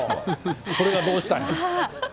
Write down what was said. それがどうしたんや？